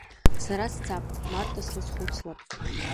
Сара сцап, Марҭа слызхәыцлап.